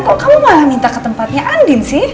kok kamu malah minta ke tempatnya andin sih